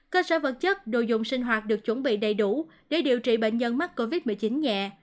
cơ sở vật chất đồ dùng sinh hoạt được chuẩn bị đầy đủ để điều trị bệnh nhân mắc covid một mươi chín nhẹ